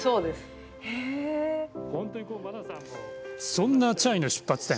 そんなチャイの出発点。